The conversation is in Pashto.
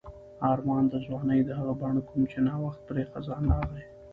آرمان د ځوانۍ د هغه بڼ کوم چې نا وخت پرې خزان راغی.